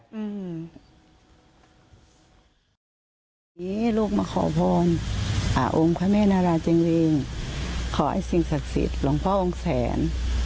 ลูกมาขอพรมอาอุงพระเมนาราชิงริงขอให้สิ่งศักดิ์สิทธิ์หลังพ่อองค์แสน